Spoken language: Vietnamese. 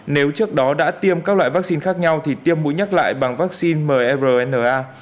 nếu trước đó đã tiêm các loại vaccine khác nhau thì tiêm mũi nhắc lại bằng vaccine mrna